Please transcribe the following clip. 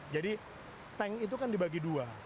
jadi tank itu kan dibagi dua